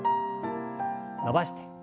伸ばして。